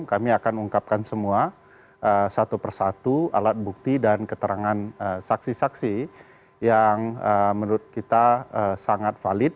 kami akan ungkapkan semua satu persatu alat bukti dan keterangan saksi saksi yang menurut kita sangat valid